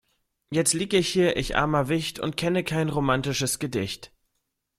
Jetzt lieg ich hier ich armer Wicht und kenne kein romatisches Gedicht.